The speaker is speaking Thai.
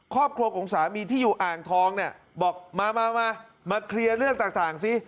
ครอบครองของสามีที่อยู่อ่างทองบอกมาเขลี่ยเรื่องต่างสิ